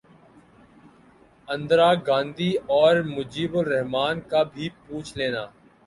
اندرا گاندھی اور مجیب الر حمن کا بھی پوچھ لینا